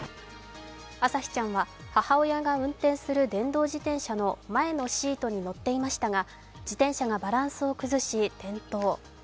朝輝ちゃんは母親が運転する電動自転車の前のシートに乗っていましたが自転車がバランスを崩し転倒。